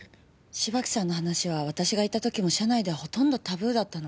芝木さんの話は私がいた時も社内ではほとんどタブーだったの。